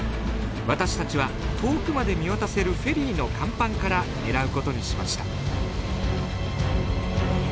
私たちは遠くまで見渡せるフェリーの甲板から狙うことにしました。